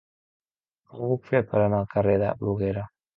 Com ho puc fer per anar al carrer de Bruguera?